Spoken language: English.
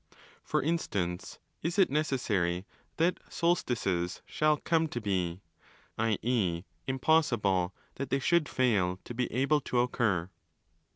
For instance, is it necessary that solstices shall come to be, i. 6. impossible that they should fail to be able to occur?